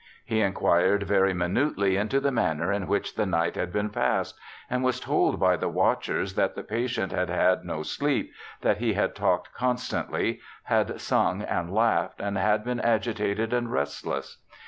He inquired very minutely into the manner in which the night had been passed ; and was told by the watchers that the patient had had no sleep, that he had talked constantly, had sung and laughed, and had been agitated and restless.